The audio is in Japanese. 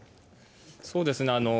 そうですね。